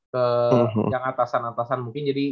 ke yang atasan atasan mungkin jadi